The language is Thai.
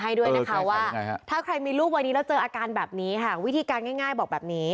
ให้ด้วยนะคะว่าถ้าใครมีลูกวัยนี้แล้วเจออาการแบบนี้ค่ะวิธีการง่ายบอกแบบนี้